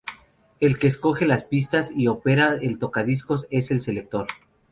El que escoge las pistas y opera el tocadiscos es el "Selector".